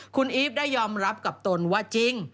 คุณอีฟได้ยอมรับกับตนว่าจริง